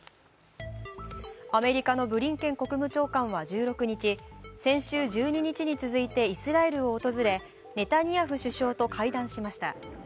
アメリカのブリンケン国務長官は１６日、先週１２日に続いてイスラエルを訪れ、ネタニヤフ首相と会談しました。